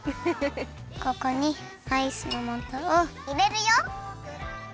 ここにアイスのもとをいれるよ。